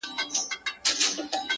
زرین لوښي یې کتار کړل غلامانو-